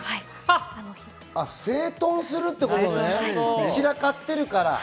整頓するってことね、散らかってるから。